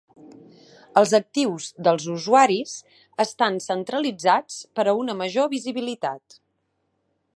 Els actius dels usuaris estan centralitzats per a una major visibilitat.